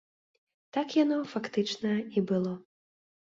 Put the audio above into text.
Так яно, фактычна, і было.